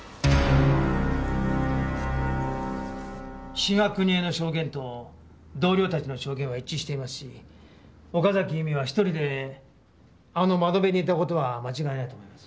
志賀邦枝の証言と同僚たちの証言は一致していますし岡崎由美は１人であの窓辺にいた事は間違いないと思います。